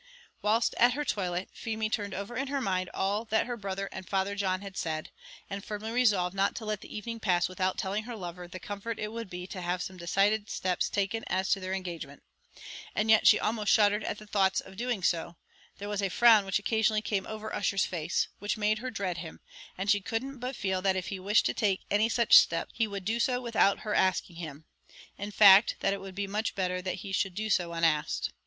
Whilst at her toilet Feemy turned over in her mind all that her brother and Father John had said, and firmly resolved not to let the evening pass without telling her lover the comfort it would be to have some decided steps taken as to their engagement: and yet she almost shuddered at the thoughts of doing so; there was a frown which occasionally came over Ussher's face, which made her dread him; and she couldn't but feel that if he wished to take any such steps, he would do so without her asking him; in fact, that it would be much better that he should do so unasked.